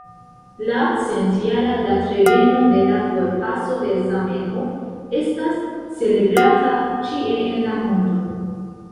La centjara datreveno de la forpaso de Zamenhof estas celebrata ĉie en la mondo.